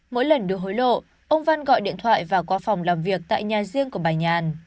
mỗi lần được hối lộ ông văn gọi điện thoại và qua phòng làm việc tại nhà riêng của bà nhàn